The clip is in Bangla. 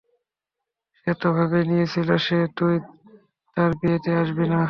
সে তো ভেবেই নিয়েছিলো যে তুই তার বিয়েতেও আসবি না!